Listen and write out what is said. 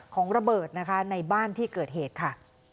ของระเบิดนะคะในบ้านที่เกิดเหตุค่ะ